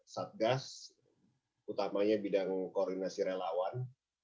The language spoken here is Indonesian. satgas utamanya bidang koordinasi relawan